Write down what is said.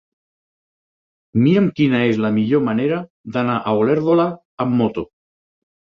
Mira'm quina és la millor manera d'anar a Olèrdola amb moto.